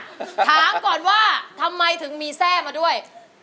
ถามก่อนว่าทำไมถึงมีแทร่มาด้วย